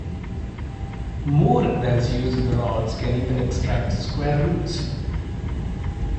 More advanced use of the rods can even extract square roots.